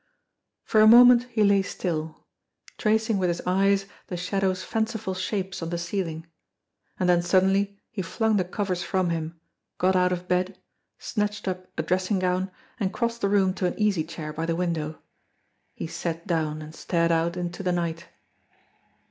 For a moment he lay still, tracing with his eyes the shadows' fanciful shapes on the ceiling; and then suddenly he flung the covers from him, got out of bed, snatched up a dressing gown, and crossed the room to an easy chair by the window. He sat down and stared out into the night.